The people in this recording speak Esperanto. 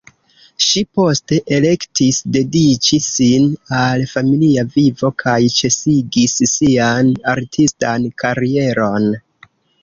Ŝi poste elektis dediĉi sin al familia vivo kaj ĉesigis sian artistan karieron.